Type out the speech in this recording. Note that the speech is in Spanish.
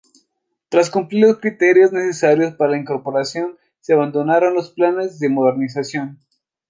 Tras cumplir los criterios necesarios para la incorporación se abandonaron los planes de modernización.